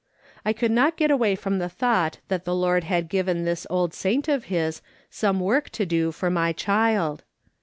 I could not get away from the thought that the Lord had given this old saint of his some "vvork to do for my child.